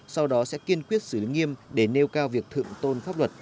sau đó sẽ kiên quyết xử lý nghiêm để nêu cao việc thượng tôn pháp luật